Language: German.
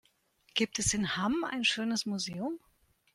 Gibt es in Hamm ein schönes Museum?